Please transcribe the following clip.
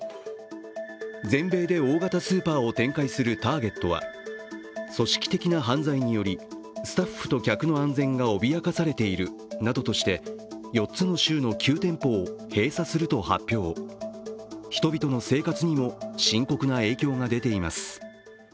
全米で大型スーパーを展開するターゲットは組織的な犯罪により、スタッフと客の安全が脅かされているなどとして４つの州の９店舗を閉鎖すると発表、人々の生活にも深刻な影響が出ています。